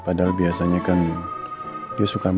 padahal biasanya kan dia suka